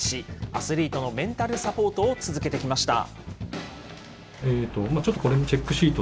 アスリートのメンタルサポートを続けてきました。